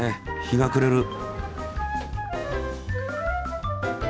日が暮れる！